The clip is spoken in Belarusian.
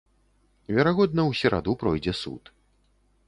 Верагодна ў сераду пройдзе суд.